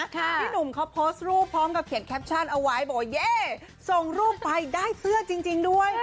พี่หนุ่มเขาโพสต์รูปพร้อมกับเขียนแคปชั่นเอาไว้บอกว่าเย่ส่งรูปไปได้เสื้อจริงด้วย